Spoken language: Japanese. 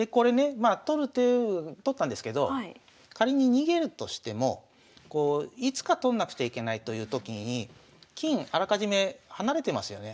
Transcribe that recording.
まあ取ったんですけど仮に逃げるとしてもいつか取んなくちゃいけないというときに金あらかじめ離れてますよね。